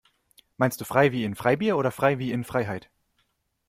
Meinst du frei wie in Freibier oder frei wie in Freiheit?